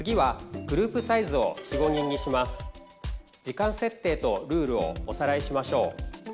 時間設定とルールをおさらいしましょう。